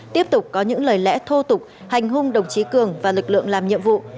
tiếp tục có những lời lẽ thô tục hành hung đồng chí cường và lực lượng làm nhiệm vụ